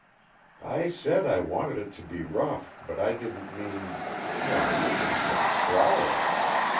"I said I wanted it to be rough, but I didn't mean why, this is just squalid!"